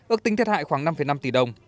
ước tính thiệt hại khoảng năm năm tỷ đồng